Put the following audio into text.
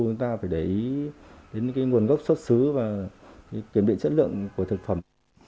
chúng ta phải để ý đến cái nguồn gốc xuất xứ và kiểm bị chất lượng của thực phẩm